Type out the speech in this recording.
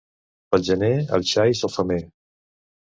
Pel gener els xais al femer.